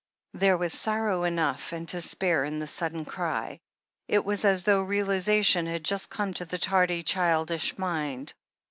There was sorrow enough and to spare in the sudden cry. It was as though realization had just come to the tardy, childish mind.